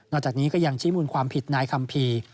จากนี้ก็ยังชี้มูลความผิดนายคัมภีร์